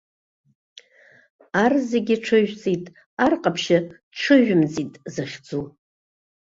Ар зегьы ҽыжәҵит, ар ҟаԥшьы ҽыжәымҵит захьӡу.